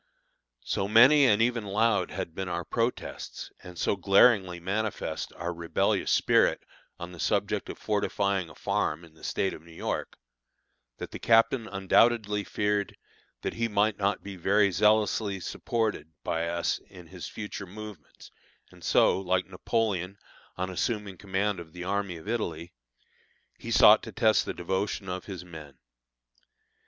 So many and even loud had been our protests, and so glaringly manifest our rebellious spirit on the subject of fortifying a farm in the State of New York, that the captain undoubtedly feared that he might not be very zealously supported by us in his future movements, and so, like Napoleon, on assuming command of the army of Italy, he sought to test the devotion of his men.